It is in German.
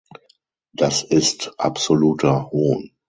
Das ist absoluter Hohn.